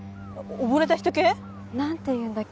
溺れた人系？なんていうんだっけ？